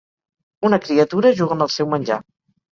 Una criatura juga amb el seu menjar.